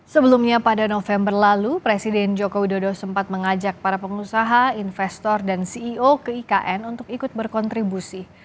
sebelumnya pada november lalu presiden joko widodo sempat mengajak para pengusaha investor dan ceo ke ikn untuk ikut berkontribusi